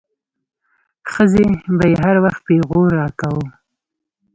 ښځې به يې هر وخت پيغور راکاوه.